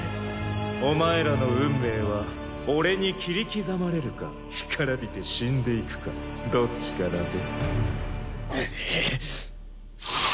お前らの運命は俺に切り刻まれるか干からびて死んでいくかどっちかだぜ。